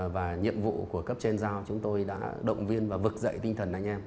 và nhiệm vụ của cấp trên giao chúng tôi đã động viên và vực dậy tinh thần anh em